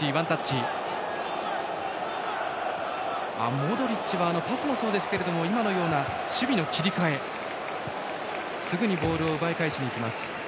モドリッチはパスもそうですけども今のような守備の切り替えすぐにボールを奪い返しにいきます。